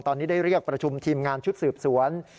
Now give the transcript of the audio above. ตอนนี้ได้เรียกประชุมทีมงานชุดสืบสวน